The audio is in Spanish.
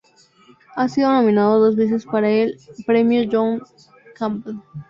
Ha sido nominado dos veces para el Premio John W. Campbell.